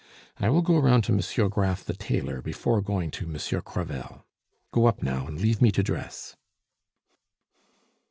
I will go round to Monsieur Graff the tailor before going to Monsieur Crevel. Go up now and leave me to dress."